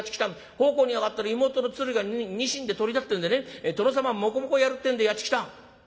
奉公に上がってる妹の鶴がニシンでトリだってんでね殿様もこもこやるってんでやって来た」。